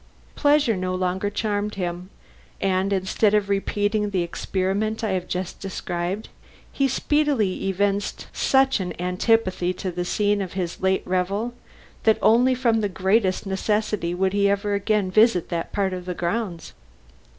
Pleasure no longer charmed him, and instead of repeating the experiment I have just described, he speedily evinced such an antipathy to the scene of his late revel that only from the greatest necessity would he ever again visit that part of the grounds.